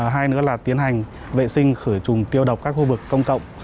hay nữa là tiến hành vệ sinh khởi trùng tiêu độc các khu vực công cộng